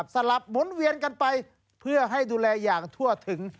สลับหมุนเวียนกันไปเพื่อให้ดูแลอย่างทั่วถึง